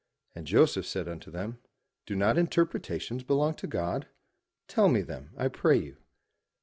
And Joseph said unto them, "Do not interpretations belong to God? Tell me them, I pray you.'